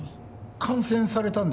感染されたんですか？